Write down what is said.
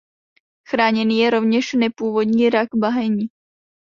Chráněný je rovněž nepůvodní rak bahenní.